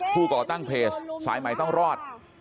ก่อตั้งเพจสายใหม่ต้องรอด